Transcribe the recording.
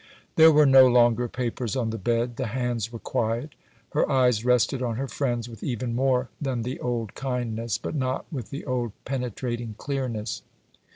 There were no longer papers on the bed. The hands were quiet. Her eyes rested on her friends with even more than the old kindness, but not with the old penetrating clearness.